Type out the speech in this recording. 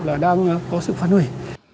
là đang có sự phản hủy